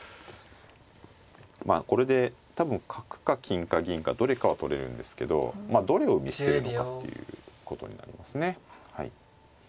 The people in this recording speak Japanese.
まあこれで多分角か金か銀かどれかは取れるんですけどまあどれを見捨てるのかっていうことになりますね。